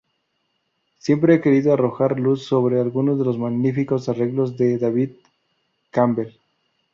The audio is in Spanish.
Siempre he querido arrojar luz sobre algunos de los magníficos arreglos de David Campbell.